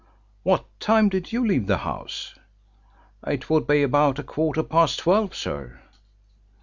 "What time did you leave the house?" "It would be about a quarter past twelve, sir."